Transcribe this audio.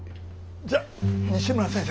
じゃ西村先生。